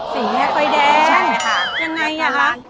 สีแอ๊กไฟแดงยังไงนะคะครับเฮ้ยท่านหลังใช่ค่ะ